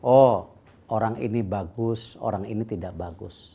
oh orang ini bagus orang ini tidak bagus